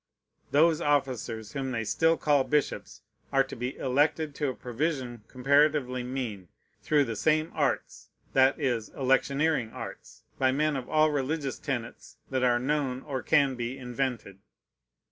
Those officers whom they still call bishops are to be elected to a provision comparatively mean, through the same arts, (that is, electioneering arts,) by men of all religious tenets that are known or can be invented.